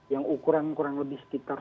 yang ukuran kurang lebih sekitar